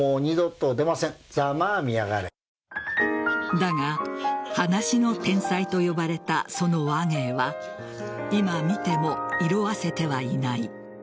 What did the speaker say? だが話の天才と呼ばれたその話芸は今見ても色あせてはいない。